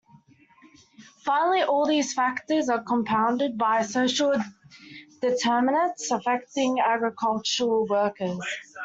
Finally, all of these factors are compounded by social determinants affecting agricultural workers.